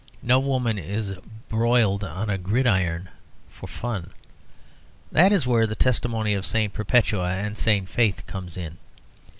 No woman is broiled on a gridiron for fun. That is where the testimony of St. Perpetua and St. Faith comes in.